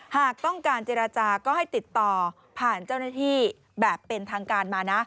หากต้องการเจรจาก็ให้ติดต่อผ่านเจ้าหน้าที่แบบเป็นทางการมานะ